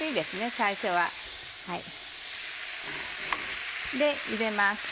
最初は。で入れます。